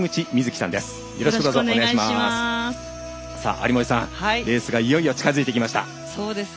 有森さん、レースがいよいよ近づいてきました。